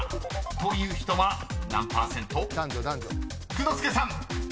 ［福之助さん］